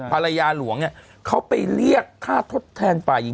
ภรรยาหลวงเนี่ยเขาไปเรียกค่าทดแทนฝ่ายหญิง